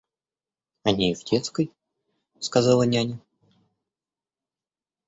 — Они и в детской, — сказала няня.